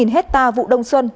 năm mươi hectare vụ đông xuân